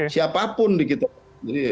siapa pun dikitkan